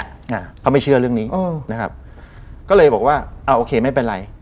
อ่าเขาไม่เชื่อเรื่องนี้อ๋อนะครับก็เลยบอกว่าอ่าโอเคไม่เป็นไร